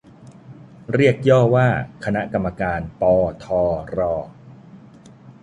เรียกย่อว่า คณะกรรมการ ปอ ทอ รอ